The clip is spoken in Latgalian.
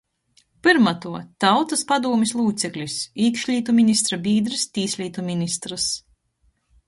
Pyrma tuo — Tautys padūmis lūceklis, īkšlītu ministra bīdrs, tīslītu ministrs.